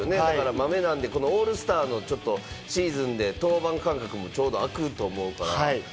マメなんで、オールスターのシーズンで登板間隔もちょうど空くと思うから。